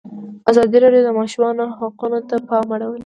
ازادي راډیو د د ماشومانو حقونه ته پام اړولی.